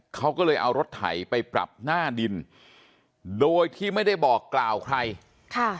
เขาก็เลยเอารถไถไปปรับหน้าดินโดยที่ไม่ได้บอกกล่าวใครค่ะ